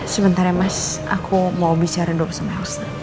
sebentar ya mas aku mau bicara dulu sama elsa